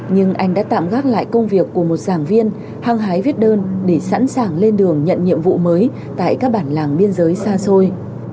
nhưng anh đã tạm gác lại công việc của một giảng viên hăng hái viết đơn để sẵn sàng lên đường nhận nhiệm vụ mới tại các bản làng biên giới xa xôi